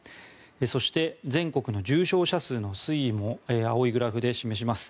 そして、全国の重症者数の推移も青いグラフで示します。